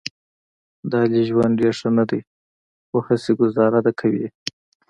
د علي ژوند ډېر ښه نه دی، خو هسې ګوزاره ده کوي یې.